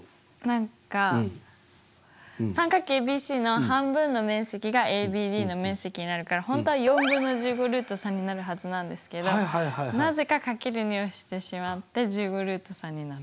何か三角形ＡＢＣの面積の半分がＡＢＤの面積になるから本当は４分の１５ルート３になるはずなんですけどなぜか×２をしてしまって１５ルート３になってます。